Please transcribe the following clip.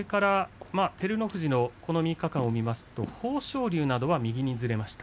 照ノ富士の３日間を見ますと豊昇龍などは右にずれました。